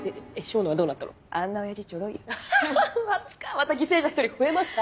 また犠牲者１人増えました！